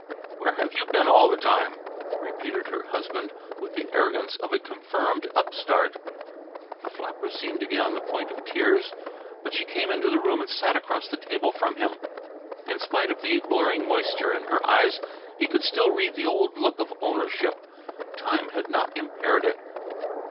"Where you been all the time?" repeated her husband with the arrogance of a confirmed upstart. The flapper seemed to be on the point of tears, but she came into the room and sat across the table from him. In spite of the blurring moisture in her eyes he could still read the old look of ownership. Time had not impaired it.